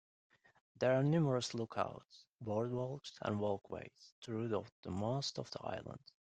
There are numerous lookouts, boardwalks and walkways throughout most of the island.